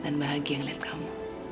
dan bahagia ngeliat kamu